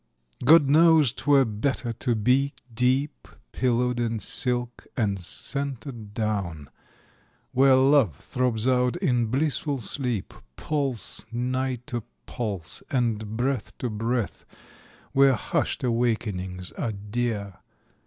God knows 'twere better to be deep Pillowed in silk and scented down, Where Love throbs out in blissful sleep, Pulse nigh to pulse, and breath to breath, Where hushed awakenings are dear